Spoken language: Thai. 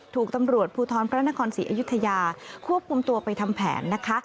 ถูกตำรวจภูทรพระนครศรีอยุธยาควบคุมตัวไปทำแผนนะคะ